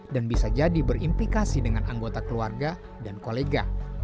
dan bisa jadi berimplikasi dengan anggota keluarga dan kolega